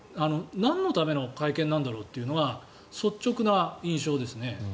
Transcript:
なんのための会見なんだろうというのが率直な印象ですね。